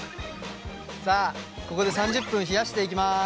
さあここで３０分冷やしていきます。